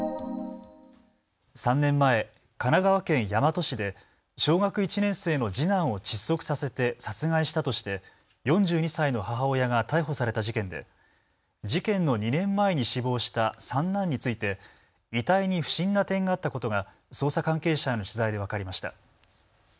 ３年前、神奈川県大和市で小学１年生の次男を窒息させて殺害したとして４２歳の母親が逮捕された事件で事件の２年前に死亡した三男について遺体に不審な点があったことが捜査関係者への取材で分かりました。